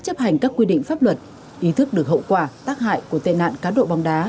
chấp hành các quy định pháp luật ý thức được hậu quả tác hại của tệ nạn cá độ bóng đá